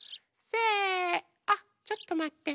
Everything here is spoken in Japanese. せあちょっとまって。